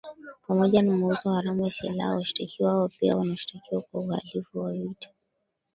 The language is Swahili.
Pamoja na mauzo haramu ya silaha washtakiwa hao pia wanashtakiwa kwa uhalivu wa vita